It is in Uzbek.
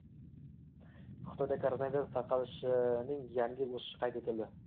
Xitoyda koronavirus tarqalishining yangi o‘sishi qayd etildi